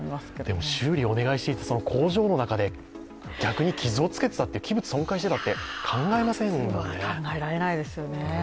でも修理お願いしていて工場の中で逆に傷をつけてたって器物損壊してたって考えませんものね。